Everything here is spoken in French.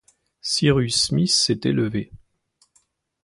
Cyrus Smith s’était levé.